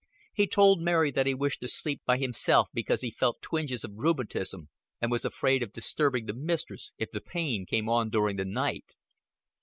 He told Mary that he wished to sleep by himself because he felt twinges of rheumatism and was afraid of disturbing the mistress if the pain came on during the night.